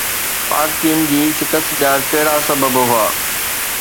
پاڪ ٽيم جي شڪست جا ڪهڙا سبب هئا؟